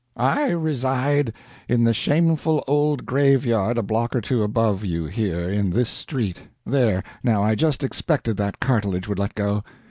"I reside in the shameful old graveyard a block or two above you here, in this street there, now, I just expected that cartilage would let go!